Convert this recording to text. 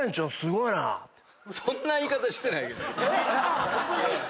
そんな言い方してないけど。